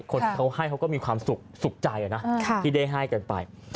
คนที่เขาให้เขาก็มีความสุขสุขใจนะที่ได้ให้กันไป